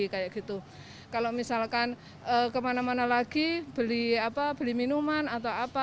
kalau misalkan kemana mana lagi beli minuman atau apa